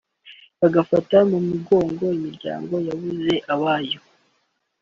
bakanafata mu mugongo imiryango yabuze abayo